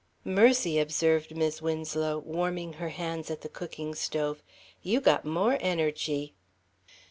"Mercy," observed Mis' Winslow, warming her hands at the cooking stove, "you got more energy."